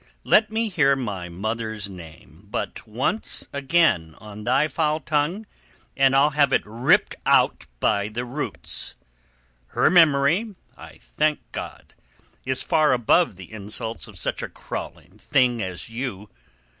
"Let me hear my mother's name but once again on thy foul tongue, and I'll have it ripped out by the roots. Her memory, I thank God, is far above the insults of such a crawling thing as you.